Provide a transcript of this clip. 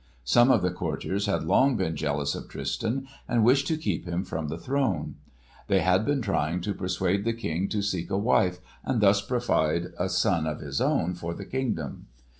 Some of the courtiers had long been jealous of Tristan and wished to keep him from the throne. They had been trying to persuade the King to seek a wife and thus provide a son of his own for the kingdom.